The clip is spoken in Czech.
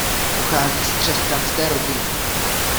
Pochází z křesťanské rodiny.